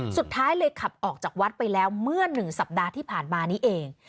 สุดท้ายเลยขับออกจากวัดไปแล้วเมื่อ๑สัปดาห์ที่ผ่านมานี้เอง